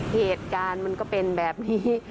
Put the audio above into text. เหตุการณ์มันก็เป็นแบบนี้